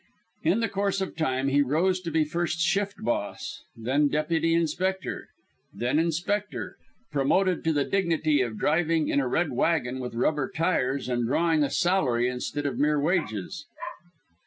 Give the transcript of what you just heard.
In the course of time he rose to be first shift boss, then deputy inspector, then inspector, promoted to the dignity of driving in a red wagon with rubber tires and drawing a salary instead of mere wages.